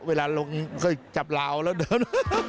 เวลาลงก็จับลาวแล้วเดิน